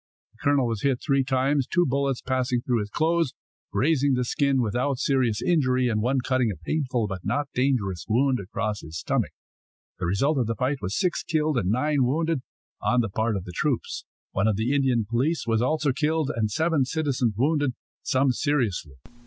The colonel was hit three times, two bullets passing through his clothes, grazing the skin, without serious injury, and one cutting a painful but not dangerous wound across his stomach. The result of the fight was six killed and nine wounded on the part of the troops. One of the Indian police was also killed, and seven citizens wounded, some seriously.